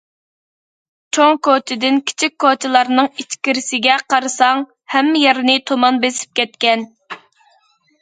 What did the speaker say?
چوڭ كوچىدىن كىچىك كوچىلارنىڭ ئىچكىرىسىگە قارىساڭ ھەممە يەرنى تۇمان بېسىپ كەتكەن.